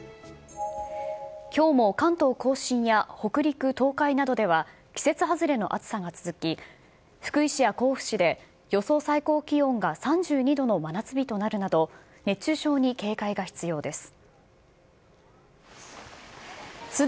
きょうも関東甲信や北陸、東海などでは季節外れの暑さが続き、福井市や甲府市で予想最高気温が３２度の真夏日となるなど、熱中症に警戒が必要です。